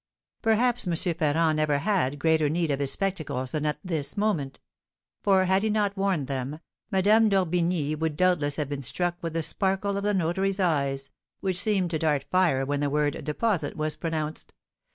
'" Perhaps M. Ferrand never had greater need of his spectacles than at this moment; for, had he not worn them, Madame d'Orbigny would doubtless have been struck with the sparkle of the notary's eyes, which seemed to dart fire when the word deposit was pronounced.